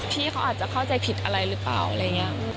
ที่เขาอาจจะเข้าใจผิดอะไรหรือเปล่าอะไรอย่างนี้